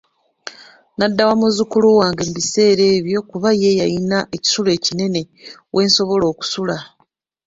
Nadda wa muzukulu wange mu biseera ebyo kuba ye yayina ekisulo ekinene w'ensobola okusula.